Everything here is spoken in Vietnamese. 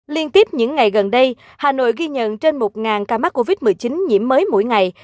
liên tiếp những ngày gần đây hà nội ghi nhận trên một ca mắc covid một mươi chín nhiễm mới mỗi ngày